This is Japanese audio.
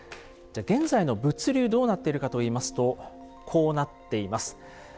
じゃあ現在の物流どうなっているかといいますとこうなっています。